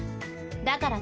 だからね